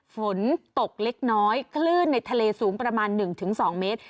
ฝนตกเล็กน้อยคลืนในทะเลสูงประมาณหนึ่งถึงสองเมตร